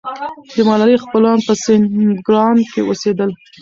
د ملالۍ خپلوان په سینګران کې اوسېدل.